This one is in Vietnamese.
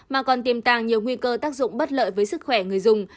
mà còn tiềm tàng nhiều nguy cơ tác dụng bất lợi với sức khỏe người dùng